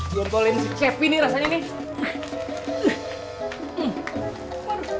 jompolin si cepi nih rasanya nih